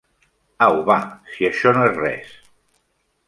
Au va, si això no és res!